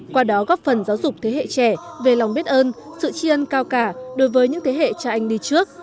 qua đó góp phần giáo dục thế hệ trẻ về lòng biết ơn sự tri ân cao cả đối với những thế hệ cha anh đi trước